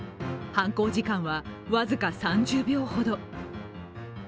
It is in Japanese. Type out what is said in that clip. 犯行時間は僅か３０秒ほど。